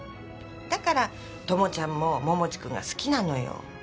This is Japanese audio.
だからともちゃんも桃地くんが好きなのよ。